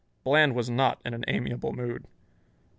Bland was not in an amiable mood.